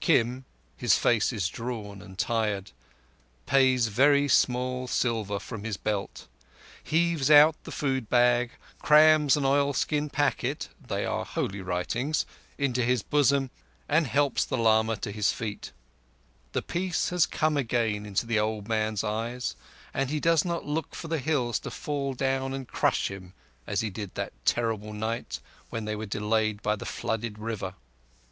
Kim—his face is drawn and tired—pays very small silver from his belt, heaves out the food bag, crams an oilskin packet—they are holy writings—into his bosom, and helps the lama to his feet. The peace has come again into the old man's eyes, and he does not look for the hills to fall down and crush him as he did that terrible night when they were delayed by the flooded river.